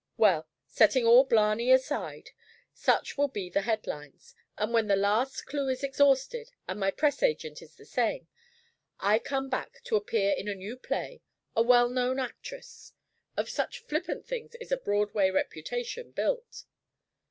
"Well, setting all blarney aside, such will be the head lines. And when the last clue is exhausted, and my press agent is the same, I come back to appear in a new play, a well known actress. Of such flippant things is a Broadway reputation built."